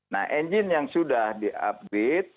nah engine yang sudah di upgrade